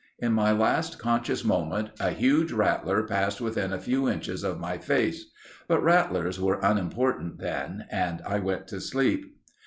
In my last conscious moment a huge rattler passed within a few inches of my face. But rattlers were unimportant then and I went to sleep.